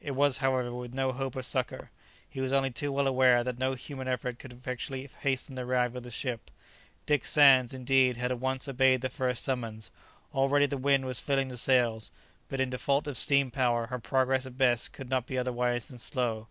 It was, however, with no hope of succour; he was only too well aware that no human efforts could effectually hasten the arrival of the ship. Dick Sands indeed had at once obeyed the first summons: already the wind was filling the sails, but in default of steam power her progress at best could not be otherwise than slow.